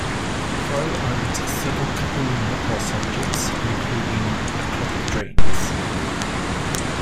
Crow owns several Cthulhu Mythos objects, including the Clock of Dreams.